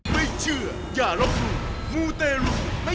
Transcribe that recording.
ไปกับมูตใน